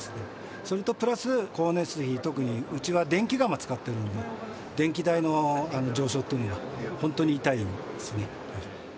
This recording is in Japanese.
それとプラス光熱費、特にうちは電気釜使ってるので、電気代の上昇っていうのが本当に痛いですね。